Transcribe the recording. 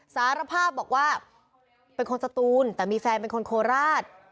สารภาพบอกว่าเป็นคนสตูนแต่มีแฟนเป็นคนโคราช